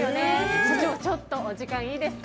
社長、ちょっと時間いいですか。